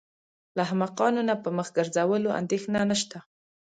له احمقانو نه په مخ ګرځولو اندېښنه نشته.